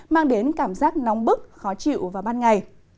mang đến cảm giác nóng bức khó chịu vào ban ngày